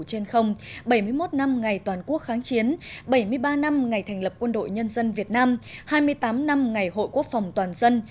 hà nội điện biên phủ trên không bảy mươi một năm ngày toàn quốc kháng chiến bảy mươi ba năm ngày thành lập quân đội nhân dân việt nam hai mươi tám năm ngày hội quốc phòng toàn dân